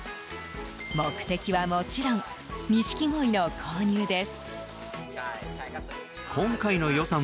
目的はもちろんニシキゴイの購入です。